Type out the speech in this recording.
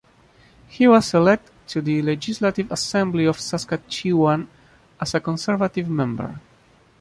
He was elected to the Legislative Assembly of Saskatchewan as a Conservative member.